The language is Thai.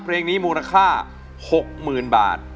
เพลงนี้มูลค่า๖๐๐๐บาท